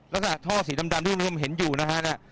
ท่อสีดำที่คุณผู้ชมเห็นอยู่นะฮะเนี่ย